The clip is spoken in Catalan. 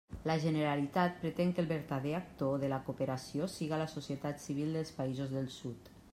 La Generalitat pretén que el vertader actor de la cooperació siga la societat civil dels països del Sud.